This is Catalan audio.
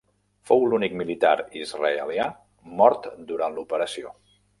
Fou l'únic militar israelià mort durant l'operació.